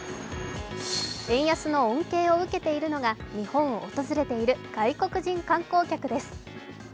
円安の恩恵を受けているのが日本を訪れている外国人観光客です。